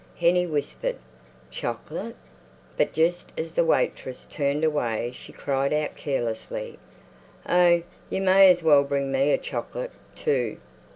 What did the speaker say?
Hennie whispered, "Chocolate!" But just as the waitress turned away she cried out carelessly, "Oh, you may as well bring me a chocolate, too."